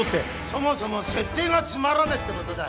そもそも設定がつまらねえって事だ。